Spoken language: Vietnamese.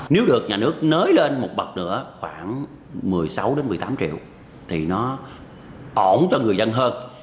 nếu được nhà nước nới lên một bậc nữa khoảng một mươi sáu một mươi tám triệu thì nó ổn cho người dân hơn